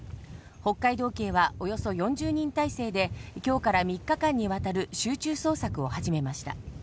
北海道警は、およそ４０人態勢で、きょうから３日間にわたる集中捜索を始めました。